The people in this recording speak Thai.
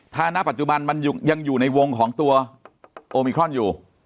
ถ้าณปัจจุบันมันยังอยู่ในวงของตัวโอมิครอนอยู่